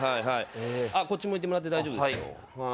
あっ、こっち向いてもらって大丈夫ですよ。